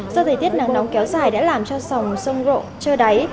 do thời tiết nắng nóng kéo dài đã làm cho sòng sông rộ trơ đáy